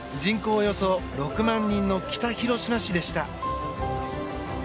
およそ６万人の北広島市でした。